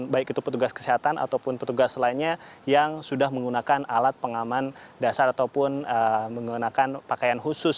baik itu petugas kesehatan ataupun petugas lainnya yang sudah menggunakan alat pengaman dasar ataupun menggunakan pakaian khusus